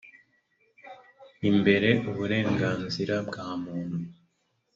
imbere uburenganzira bwa muntu